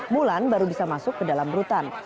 mulan baru bisa masuk ke dalam rutan